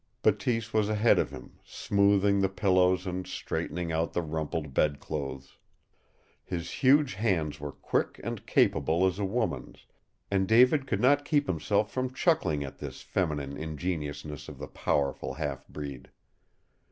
Bateese was ahead of him, smoothing the pillows and straightening out the rumpled bed clothes. His huge hands were quick and capable as a woman's, and David could not keep himself from chuckling at this feminine ingeniousness of the powerful half breed.